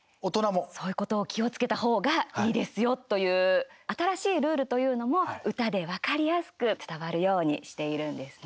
そういうことを気をつけた方がいいですよという新しいルールというのも歌で分かりやすくなるほどね。